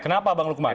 kenapa bang lukman